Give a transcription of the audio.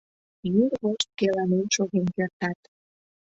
Йӱр вошт келанен шоген кертат.